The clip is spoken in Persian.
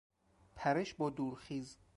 پرش با دورخیز